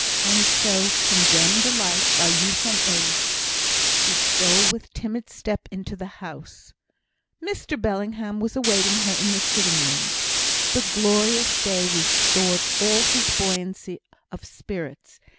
And so, condemned alike by youth and age, she stole with timid step into the house. Mr Bellingham was awaiting her coming in the sitting room. The glorious day restored all his buoyancy of spirits.